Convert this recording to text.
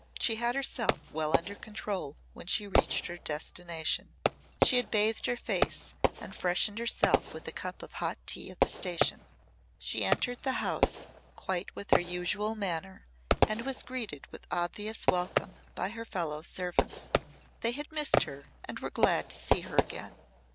She had herself well under control when she reached her destination. She had bathed her face and freshened herself with a cup of hot tea at the station. She entered the house quite with her usual manner and was greeted with obvious welcome by her fellow servants. They had missed her and were glad to see her again.